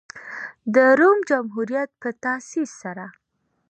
د روم جمهوریت په تاسیس سره.